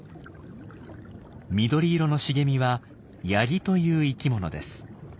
緑色の茂みはヤギという生きものです。